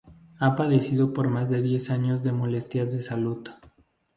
Ha padecido por más de diez años de molestias de salud.